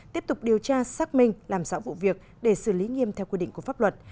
tiếp tục điều tra xác minh làm rõ vụ việc để xử lý nghiêm theo quy định của pháp luật